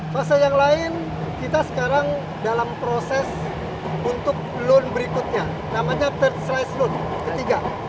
fase yang lain kita sekarang dalam proses untuk loan berikutnya namanya third strice loan ketiga